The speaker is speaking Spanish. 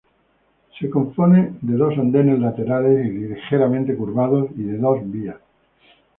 Se compone de dos andenes laterales ligeramente curvados y de dos vías.